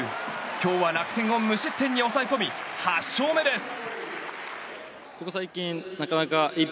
今日は楽天を無失点に抑え込み８勝目です。